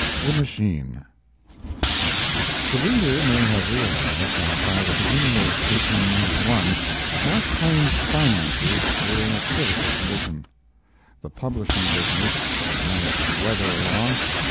THE MACHINE The reader may have realized that by the beginning of 1891 Mark Twain's finances were in a critical condition. The publishing business had managed to weather along.